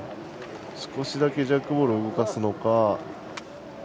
少しだけジャックボールを動かすのか。